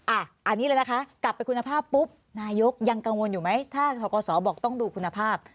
อันนี้เลยนะคะกลับไปคุณภาพปุ๊บนายกยังกังวลอยู่ไหมถ้าทกศบอกต้องดูคุณภาพ